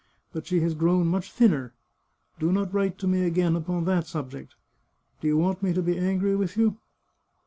But she has gfrown much thinner. Do not write to me again upon that subject. Do you want me to be angry with you